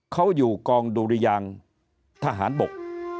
เขาอยู่กองดุริยางทหารบก